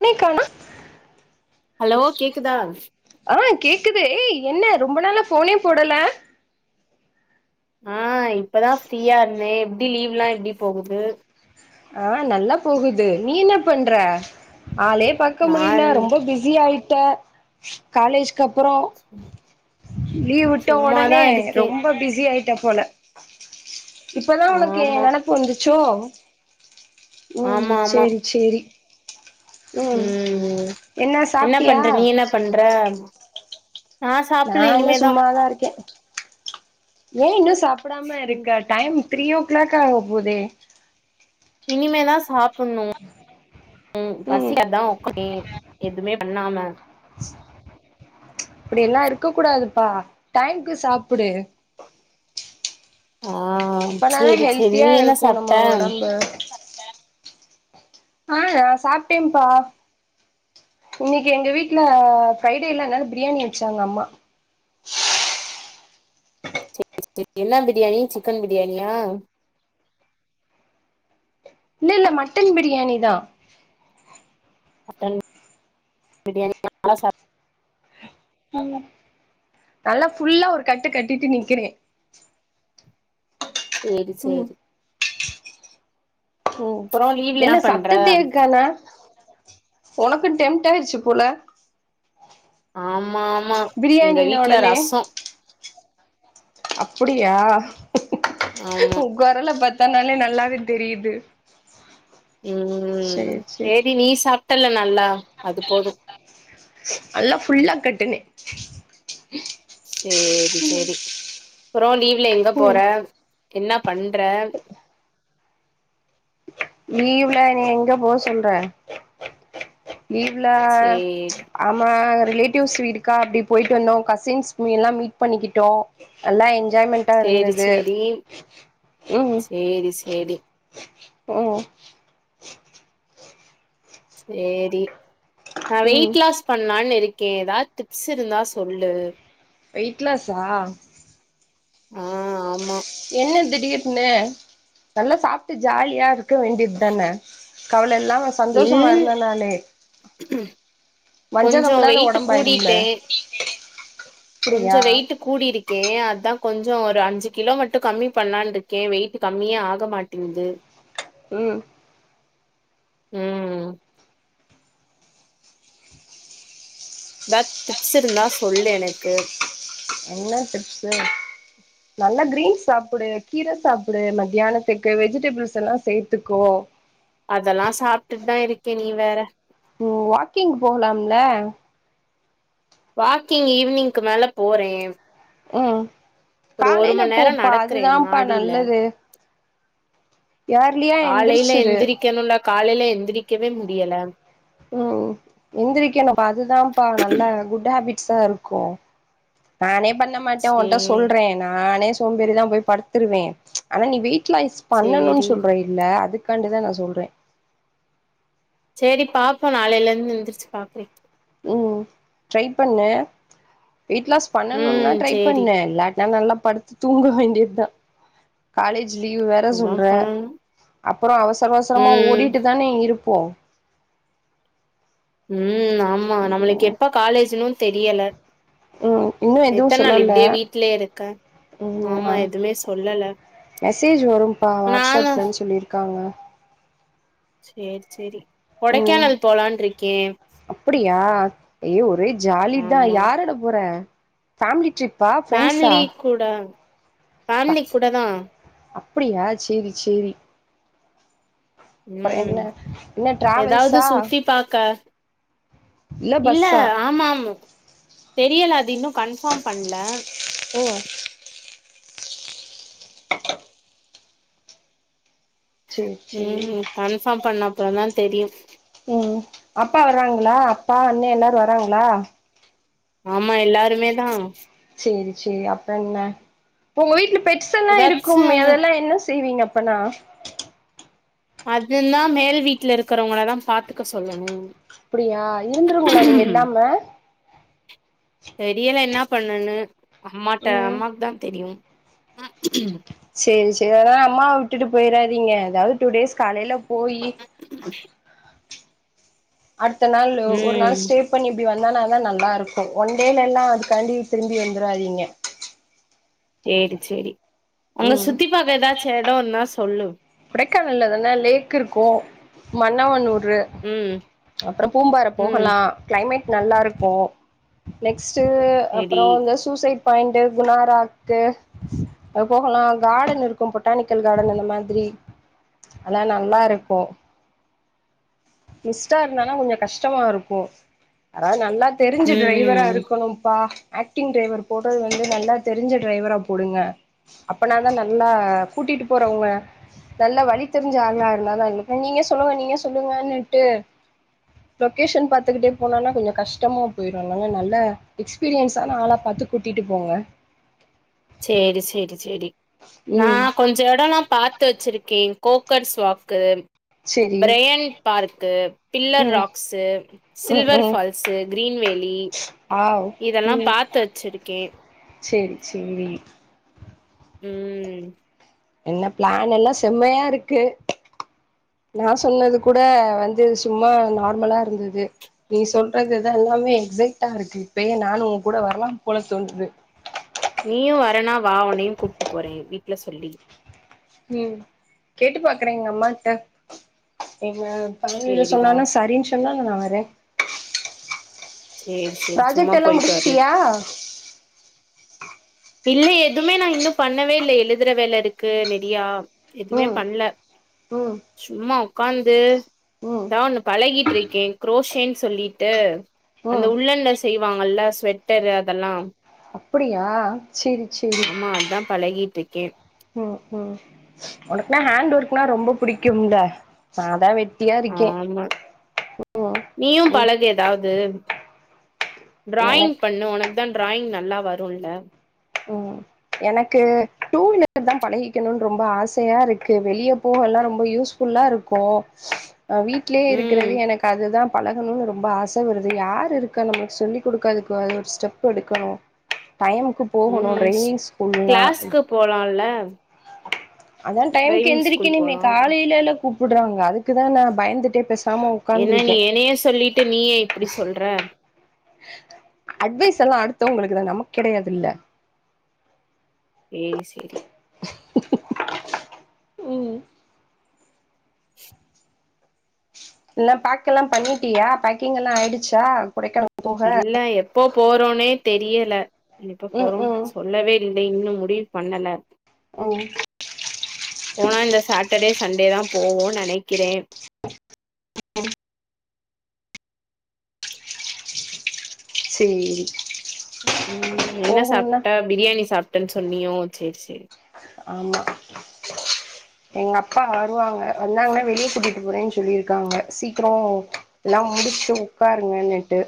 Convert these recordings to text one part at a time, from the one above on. இன்னிக்கானா hello கேக்குதா? ஆ கேக்குது ஏ என்ன ரொம்ப நாள ஃபோனே போடல ஆ இப்பதா ஃப்ரீயா இருந்தே எப்டி லீவ்வுலா எப்டி போகுது ஆ நல்லா போகுது நீ என்ன பண்ற ஆளே பாக்க முடியல நான் ரொம்ப பிஸி ஆயிட்டே காலேஜ் க்கப்பறோ லீவ் விட்ட சும்மாதா ஒடனே இருக்கே ரொம்ப பிஸி ஆய்ட் க்க போல இப்பதா உனக்கு எ ஆமா நெனப்பு வந்துச்சோ ம் ஆமா ஆமா சேரி சேரி ம் என்ன பண்ற நீ என்ன பண்ற நா சாப்புட்ல நானு இனிமேதா சும்மாதா இருக்கே ஏ இன்னு சாப்டாம இருக்க டைம் த்ரீ ஓ க்ளாக் ஆகபோதே இனிமேதா சாப்பணு ம் பசி அதா குமே எதுவுமே பண்ணாம அப்டில்லா இருக்க கூடாதுப்பா டைம்க்கு சாப்புடு ஆ அப்பதான சேரி சேரி ஹெல்த்தியா நீ என்ன இருக்கு சாப்ட்ட நம்ம ஒடம்பு ஆஹ சாப்ட்டேம்ப்பா இன்னைக்கு எங்க வீட்டுல ஃப்ரைடேல்ல அதனால பிரியாணி வச்சாங்க அம்மா [inaudible] என்ன பிரியாணி சிக்கன் பிரியாணியா இல்லல்ல மட்டன் பிரியாணிதா மட்டன் பிரியாணி நல்லா சாப் நல்லா ஃபுல்லா ஒரு கட்டு கட்டிட்டு நிக்கிறே சேரி ம் சேரி ம் அப்றோ லீவ்ல என்ன பண்ற சத்தத்தேய காணோ உனக்கு டெம்ட் ஆய்டுச்சு போல ஆமாமா எங்க பிரியாணின்ன வீட்டுல ரசோ அப்புடியா ஆமா கொரல பாத்தனாலே நல்லாவே தெரியுது ம் சேரி சேரி செரி நீ சாப்ட்டல்ல நல்லா அது போது நல்லா ஃபுல்லா கட்டுனே சேரி சேரி அப்றோ லீவ்ல எங்க ம் போற என்ன பண்ற லீவ்ல என்ன எங்க போ சொல்ற லீவ்ல சேரி ஆமா ரிலேட்டிவ்ஸ் வீட்டுக்கா அப்டி போயிட்டு வந்தோ கசின்ஸ் எல்லா மீட் பண்ணிக்கிட்டோ நல்லா எஞ்ஜாய்மெண்ட்டா சேரி இருந்தது சேரி ம் சேரி சேரி ம் சேரி நா ம் வெயிட் லாஸ் பணலான் இருக்கே எதா டிப்ஸ் இருந்தா சொல்லு வெய்ட் லாஸா ஆ ஆமா என்ன திடீர்னு நல்லா சாப்பிட்டு ஜாலியா இருக்க வேண்டியத் தானே கவலை இல்லாம இல் சந்தோஷமா இருந்தனாலே வஞ்சகம் கொஞ்சோ இல்லாத வெயிட்டு ஒடம்பாயிரும்ல கூடிட்டே கொஞ்ச அப்டியா வெயிட்டு கூடிருக்கே அதா கொஞ்சோ ஒரு அஞ்சு கிலோ மட்டும் கம்மி பண்ணலான் இருக்கே வெயிட் கம்மியா ஆக மாட்டேங்குது ம் உம் எதாத் டிப்ஸ் இருந்தா சொல்லு எனக்கு ன்னா டிப்ஸ்ஸு நல்லா கிரீன்ஸ் சாப்டு கீரை சாப்டு மத்தியானத்துக்கு வெஜிடேபிள்ஸ் எல்லா சேத்துக்கோ அதல்லா சாப்ட்டுட்டு தா இருக்கே நீ வேற ஓ வாக்கிங் போலால்ல வாக்கிங் ஈவ்னிங்க்கு மேல போறே ம் ஒரு ஒரு காலைல மண் நேரோ போப்பா நடக்கறே அதுதான்ப்பா மாடில நல்லது ஏர்லியா காலையில எந்திரிச்சிரு எந்திரிக்கணுல்ல காலையில எந்திரிக்கவே முடியல ம் எந்திரிக்கணும்ப்பா அதுதான்ப்பா நல்ல குட் ஹாபிட் புதுசா இருக்கு நானே பண்ண மாட்டே சே உன்ட்ட சொல்றே நானே சோம்பேறி தா போய் படுத்துருவே ஆனா நீ வெயிட் லாய்ஸ் பண்ணணுன் சேரி சொல்றே ல அதுக்காண்டிதா நா சொல்றே செரி பாப்போம் நாளையில இருந்து எந்திரிச்சு பாக்குறே ம் ட்ரை பண்ணு வெய்ட் லாஸ் பண்ணணுன்னா ம் ட்ரை சேரி பண்ணு இல்லாட்டினா நல்லா படுத்து தூங்க வேண்டித் தா காலேஜ் லீவு வேற அதா சொல்ற பண்ணணு அப்பறோ அவசர அவசரமா ம் ஓடிட்டு தானே இருப்போ ம் ஆமா நம்மளுக்கு ம் எப்ப காலேஜன்னு தெரியல ம் இன்னு எதுவு எத்தன் நாள் சொல்லல இப்பனடியே வீட்லே இருக்க ம் ஆமா ஆ எதுமே சொல்லல மெசேஜ் வரும்பா வாட்ஸ் நானு ஆப்லன்னு சொல்லிருக்காங்க சேர் செரி ம் கொடைக்கானல் போலான்ருக்கே அப்படியா ஐயோ ஒரே ஜாலிதா ஆமா யாரோட போற ஃபேம்லி ட்ரிப்பா ஃப்ரெண்ட்ஸா ஃபேமிலி கூட பேம்லி கூட தா அப்டியா சேரி சேரி அப்புறோ என்ன ம் என்ன ஏதாவது டிராவல்ஸா சுத்தி பாக்க இல்ல ஆமா ஆமாமு தெரியல அது இன்னு கன்ஃபார்ம் பண்ல ஓ சேரி சேரி ம் கன்ஃபார்ம் பண்ண அப்பறோந்தா தெரியு ம் அப்பா வராங்களா அப்பா அண்ணே எல்லாரு வராங்ளா ஆமா எல்லாருமே தா சேரி சேரி அப்ற என்ன உங்க வீட்ல பெட் ஸ்ஸல்லா எதாச்சு இருக்குமே அங்க அதல்லா என்ன செய்வீங்க அப்பனா அதெல்லா மேல் வீட்ல இருக்கிறவங்கள தா பாத்துக்க சொல்லணு அப்டியா இருந்துருங்களா நீங்க இல்லாம தெரியல ன்னா பண்ணனு அம்மாட்ட ம் அம்மாக்கு தா தெரியு சேரி சேரி அதா அம்மாவ விட்டுட்டு போயிறாதீங்க அதாவது டூ டேஸ் காலைல போயி அடுத்த நாள்ளு ஒரு நாள் ம் ஸ்டேப் து பண்ணி இப்டி வந்தா தான் நல்லாருக்கும் ஒன் டேல எல்லாம் அதுக்காண்டி திரும்பி வந்துறாதீங்க சேரி சேரி அங்க ம் சுத்தி பாக்க எதாச்சு எடம் ருந்தா சொல்லு கொடைக்கானல்ல அதெல்லா லேக் ருக்கும் மன்னவனூரு ம் அப்பறோ பூம்பாற ம் போகலா கிளைமேட் நல்லாருக்கும் நெக்ஸ்ட்டு ம் அப்றோ நெஸ் ட் சூசைட் பாயிண்ட்டு குணா ராக்கு அது போகலா கார்டன் ருக்கு பொட்டானிக்கல் கார்டன் அந்த மாதிரி அல்லாம் நல்லாருக்கும் மிஸ்ட்டா ருந்தானா கொஞ்சோ கஷ்டமாருக்கும் யாராவது நல்லா தெரிஞ்ச ம் டிரைவராருக்கணும்ப்பா ஆக்டிங் டிரைவர் போடுறது வந்து நல்லா தெரிஞ்ச டிரைவரா போடுங்க அப்பனாதா நல்லா கூட்டிட்டு போறவங்க நல்ல வழி தெரிஞ்ச ஆளுகளா இருந்தா தா இல்ல நீங்க சொல்லுங்க நீங்க சொல்லுங்கன்னுட்டு லொகேஷன் பாத்துக்கிட்டே போனோன்னா கொஞ்சோ கஷ்டமா போயிரு ல்லங்க நல்ல எக்ஸ் பீரியன்சான ஆள பாத்து கூட்டிட்டு போங்க சேரி சேரி சேரி நா ம் கொஞ்சோ இடல்லா பாத்து வச்சிருக்கே கோக்கர்ஸ் வாக்கு செரி பிரையன் பார்க்கு பில்லர் ம் ராக்ஸு ம் சில்வர் ம் ஃபால்ஸ்ஸு க்ரீன் வேலி ஆவ் நீங்க செரி செரி ம் என்ன பிளானெல்லா செம்மையாருக்கு நா சொன்னது கூட வந்து சும்மா நார்மலாருந்துது நீ சொல்றது எத எல்லாமே எக்ஸைட்டாருக்கு இப்பயே நானு உங் கூட வரலா போல தோணுது நீயு வரனா வா உனையு கூப்ட்டு போறே வீட்ல சொல்லி உம் கேட்டு பாக்குறே எங்க அம்மாட்ட ஏன்னா பாணில சேரி வா சொன்னானா சரின்னு சொன்னா நா வரே சேரி சேரி சும்மா ப்ராஜெக்ட் எல்லா போயிட்டு வரணு முடிச்ட்டியா இல்ல எதுவுமே நா இன்னு பண்ணவே இல்ல எழுதுற வேல இருக்கு நெறியா எதுமே ம் பண்ல ம் சும்மா உக்காந்து ம் நா ஒண்ணு பழகிட்டு ருக்கே குரோஷேன் சொல்லிட்டு அந்த ம் உல்லன்ல செய்வாங்கள்ல ஸ்வெட்டரு அதெல்லா அப்டியா செரி ஆமா அதான் பழகிட்டுருக்கே ம்ம் உனக்குனா ஹேண்ட் ஒர்க்னா ரொம்ப புடிக்கும்ல நா தா வெட்டியாருக்கே நீயும் பழகு ஏதாவது டிராயிங் எனக் பண்ணு உனக் அதான் டிராயிங் நல்லா வரும்ல்ல ம் எனக்கு டூ வீலர் தா பழகிகணுன்னு ரொம்ப ஆசையா ருக்கு வெளிய போகல்லா ரொம்ப யூஸ் ஃபுல்லாருக்கு அ வீட்லயே ம் இருக்குறது எனக்கு அதுதா பழகணுனு ரொம்ப ஆச வருது யாரிருக்கா நமக்கு சொல்லி குடுக்குரதுக்கு ஒரு ஸ்டெப் எடுக்கணு டைமுக்கு போகணு ம் ட்ரைவிங் ஸ்கூல்னா கிளாஸ்க்கு போலால்ல அதா டைம்க்கு டிரைவிங் ஸ்கூல் எந்த்ரிக்கனுமே போலா காலைலல்ல கூப்டுறாங்க அதுக்குதா நா பயந்துட்டே பேசாம என்ன நீ உக்காந்துருக்கே என்னேயே சொல்லிட்டு நீயே இப்டி சொல்ற அட்வைஸ் எல்லா அடுத்தவங்களுக்குதா நமக் கெடையாதுல்ல ஏய் செரி உம் என்னா பேக் எல்லா பண்ணிட்டியா பேக்கிங் எல்லா ஆய்டுச்சா கொடைக்கான இல்ல எப்போ போறோனே தெரியல எப்ப ம் போறோ ம் சொல்லவே இல்ல இன்னு முடிவு பண்ணல ம் போனா இந்த சாட்டர்டே சண்டே தா போவோன் நெனைக்கிறே செரி உம் என்ன சாப்ட்டா பிரியாணி சாப்ட்டன் சொன்னியோ செரி செரி ஆமா எங்க அப்பா வருவாங்க வந்தாங்கன்னா வெளிய கூட்டிட்டு போறேனு சொல்லிருக்காங்க சீக்ரோ எல்லா முடிசிட்டு உட்காருங்கன்னுட்டு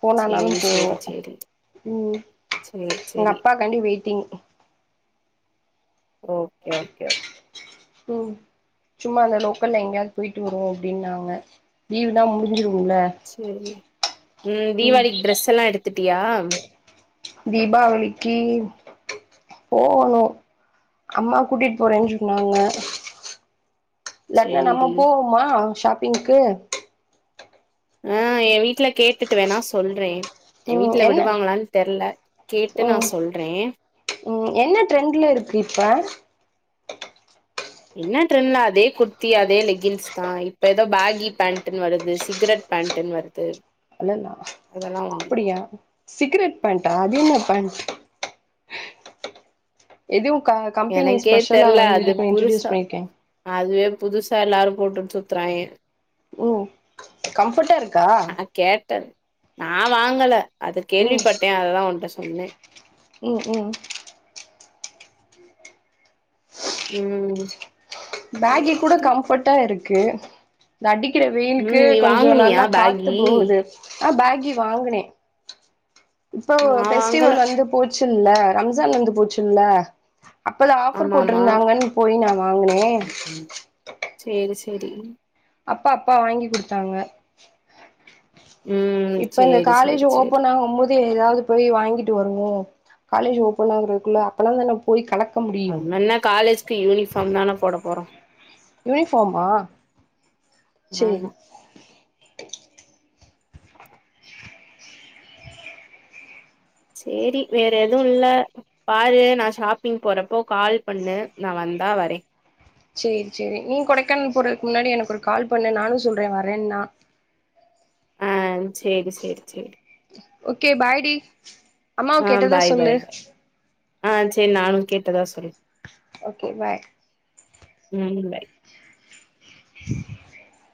போனானாலு சேரி போவோ சேரி சேரி ம் சேரி சேரி எங்க சேரி அப்பாக்காண்டி வெய்ட்டிங் ஓக்கே ஓக்கே ம் சும்மா அந்த லோக்கல்ல எங்கயாது போய்ட்டு வருவோ அப்டின்னாங்க லீவ் தா முடிஞ்சிருல செரி ம் தீபாவளிக்கு ட்ரெஸ் எல்லா எடுத்துட்டியா தீபாவளிக்கி போகணு அம்மா கூட்டிட்டு போறேனு சொன்னாங்க இல்லாட்னா நம்ம சேரிடி போவோமா ஷாப்பிங்க்கு ஆ எ வீட்டு்ல கேட்டுட்டு வேணா சொல்றே எ ம் வீட்டுல என்ன விடுவாங்களான்னு தெரில கேட்டு நா ம் சொல்றே ம் என்ன ட்ரெண்டுல இருக்கு இப்ப என்ன ட்ரெண்ட்ல அதே குர்த்தி அதே லெக்கின்ஸ் தா இப்ப ஏதோ பேகி பேண்ட்டுன்னு வருது சிகரெட் பேண்ட்டுன்னு வருது து அல்லல்லா அப்படியா சிகரெட் பேண்ட்டா அது என்ன பேண்ட் இது உன் க கம்பெனி எனக்கே ஸ்பெஷலா தெர்ல வந்து அது இது இன்ட்ரடியூஸ் புதுசா பண்ணியிருக்கே அதுவே புதுசா எல்லாரு போட்டுட்டு சுத்துறாங்க உம் கம்ஃபர்ட்டா இருக்கா கேட்டே நா வாங்கல அது கேள்விப்பட்டே அததா உன்ட சொன்னே உம் உம் உம் பேகி கூட கம்ஃபர்ட்டா இருக்கு இந்த அடிக்கிற ம் வெயிலுக்கு நீ கொஞ்சு வாங்குனியா நல்லா காத்து பேகி போகுது ஆ பேகி வாங்குனே இப்போ நா வாங்கல ஃபெஸ்டிவல் வந்து போச்சுல்ல ரம்ஜான் வந்து போச்சுல்ல அப்பதா ஆஃபர் ஆமாமா போட்டிருந்தாங்கன்னு போய் நா வாங்கனே சேரி செரி அப்ப அப்பா வாங்கி குடுத்தாங்க ம் இப்ப இந்த சேரி காலேஜ் சேரி சேரி ஓபன் ஆகும்போது செரி எதாவது போய் வாங்கிட்டு வருவோ காலேஜு ஓபன் ஆகறதுக்குள்ள அப்பனா தான போய் கலக்கமுடி நம்ம என்ன காலேஜுக்கு யூனிஃபார்ம் தான போட போறோ யூனிஃபார்மா சேரி ஆமா சேரி வேற எதுவு இல்ல பாரு நா ஷாப்பிங் போறப்ப கால் பண்ணு நா வந்தா வரே சேரி சேரி நீ கொடைக்கானல் போறதுக்கு முன்னாடி எனக்கு ஒரு கால் பண்ணு நானு சொல்றே வரேன்னா ஆ சேரி சேரி சேரி ஓகே பை டீ அம்மாவ ஆ கேட்டதா பாய் சொல்லு பாய் பாய் ஆ செரி நானு கேட்டதா சொல்ற ஓகே பை உம் பை [inaudible]